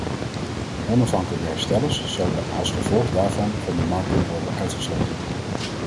Onafhankelijke herstellers zouden als gevolg daarvan van de markt kunnen worden uitgesloten.